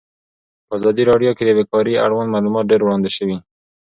په ازادي راډیو کې د بیکاري اړوند معلومات ډېر وړاندې شوي.